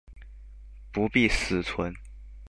不必死存